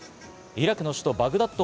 イラクの首都バグダッド。